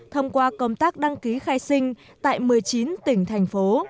thông qua công tác đăng ký khai sinh tại một mươi chín tỉnh thành phố